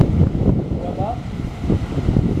Twalaḍ!